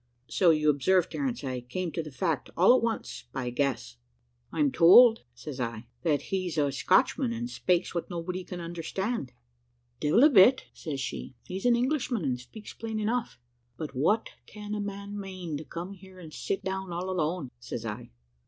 So you observe, Terence, I came to the fact all at once by a guess. "`I'm tould,' says I, `that he's a Scotchman, and spakes what nobody can understand.' "`Devil a bit,' says she; `he's an Englishman, and speaks plain enough.' "`But what can a man mane, to come here and sit down all alone?' says I.